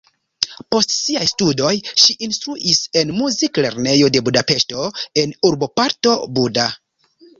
Post siaj studoj ŝi instruis en muziklernejo de Budapeŝto en urboparto Buda.